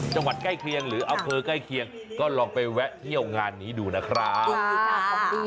ใกล้เคียงหรืออำเภอใกล้เคียงก็ลองไปแวะเที่ยวงานนี้ดูนะครับ